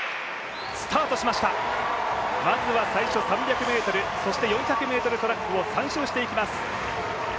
まずは最初３００ｍ、そして４００ｍトラックを３周していきます。